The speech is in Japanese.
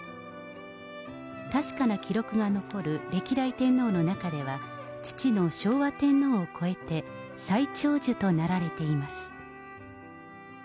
確かな記録が残る歴代天皇の中では、父の昭和天皇を超えて、最長寿となられています。